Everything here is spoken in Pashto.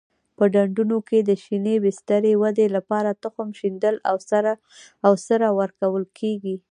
په ډنډونو کې د شینې بسترې ودې لپاره تخم شیندل او سره ورکول کېږي.